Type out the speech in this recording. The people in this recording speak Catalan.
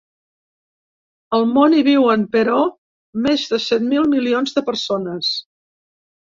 Al món hi viuen, però, més de set mil milions de persones.